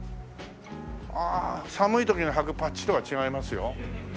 あ寒い時にはくパッチとは違いますよ。